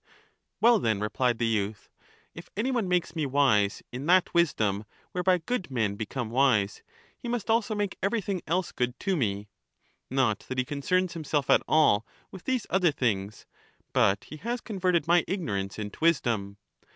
398 Well, then, replied the youth, if any one makes me wise in and had been that wisdom whereby good men become wise, he must also ^pertine^t*11 make everything else good to me. Not that he concerns youth. himself at all with these other things, but he has converted my ignorance into wisdom.